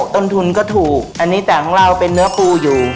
ต้นทุนก็ถูกอันนี้แต่ของเราเป็นเนื้อปูอยู่